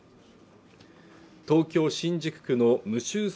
東京新宿区の無修正